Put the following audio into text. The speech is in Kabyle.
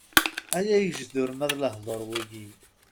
Ay agejdur ma lehduṛ wigi!